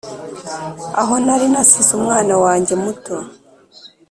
aho nari nasize umwana wanjye muto -